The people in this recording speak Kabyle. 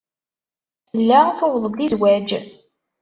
Tella tuweḍ-d i zzwaj.